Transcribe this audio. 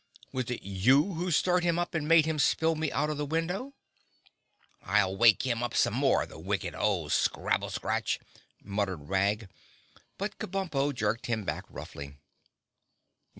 Was it you who stirred him up and made him spill me out of the window?" "I'll wake him up some more, the wicked old scrabble scratch," muttered Wag, but Kabumpo jerked him back roughly.